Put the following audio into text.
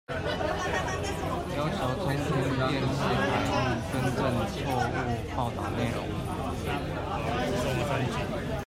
要求中天電視台更正錯誤報導內容